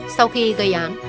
sau khi gây án